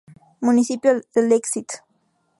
Municipio de Lake St.